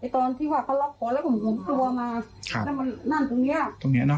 ตอนที่เขาล็อกคอแล้วผมหลมตัวมาครับนั่นตรงเนี้ยตรงเนี้ยเนอะ